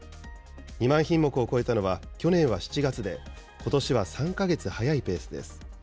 ２万品目を超えたのは去年は７月で、ことしは３か月早いペースです。